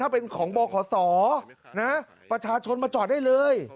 เป็นของบขศประชาชนมาจอดได้เลย